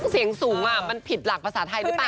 เสียงสูงมันผิดหลักภาษาไทยหรือเปล่า